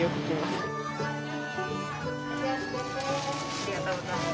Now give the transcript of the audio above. ありがとうございます。